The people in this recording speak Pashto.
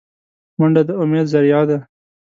منډه د امید ذریعه ده